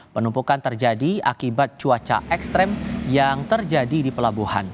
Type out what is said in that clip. penumpukan terjadi akibat cuaca ekstrim yang terjadi di pelabuhan